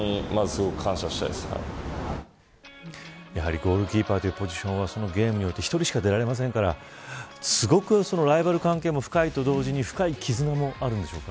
ゴールキーパーというポジションはゲームにおいて１人しか出られませんからすごくライバル関係も深いと同時に、深い絆もあるんでしょうか。